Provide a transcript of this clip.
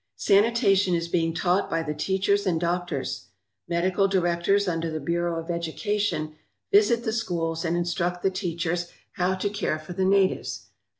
Sanitation is being taught by the teachers and doctors. Medical directors under the Bureau of Education visit the schools and instruct the teachers how to care for the natives.